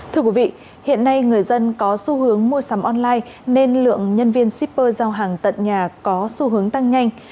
thưa quý vị hiện nay người dân có xu hướng mua sắm online nên lượng nhân viên shipper giao hàng tận nhà có xu hướng tăng nhanh